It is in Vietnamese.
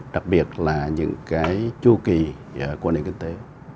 đặc biệt là những cái chu kỳ của nền kinh tế